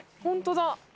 本当だ。